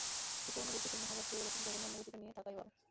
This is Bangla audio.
কিন্তু অনুভূতি-শুন্য হবার চেয়ে এরকম জঘন্য অনুভূতিটা নিয়েই থাকা ভালো।